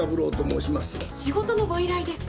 仕事のご依頼ですか？